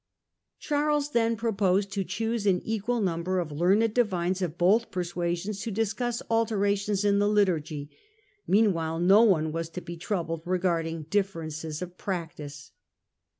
Charles then proposed to choose an equal number of learned divines of both persuasions to discuss alterations in the liturgy ; meanwhile no one was to be troubled regarding differences of practice.